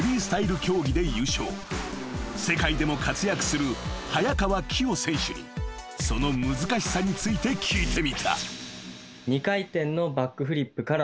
［世界でも活躍する早川起生選手にその難しさについて聞いてみた］